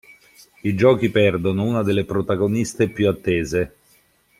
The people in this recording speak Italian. I Giochi perdono una delle protagoniste più attese.